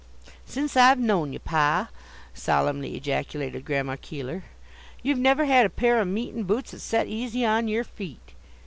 "Since I've known ye, pa," solemnly ejaculated Grandma Keeler, "you've never had a pair o' meetin' boots that set easy on yer feet.